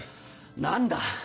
何だ！